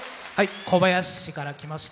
小林市から来ました